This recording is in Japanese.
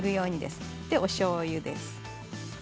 それでおしょうゆです。